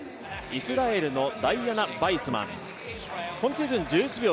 イスラエルのダイアナ・バイスマン。